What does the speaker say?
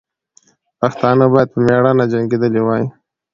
پښتانه باید په میړانه جنګېدلي وای.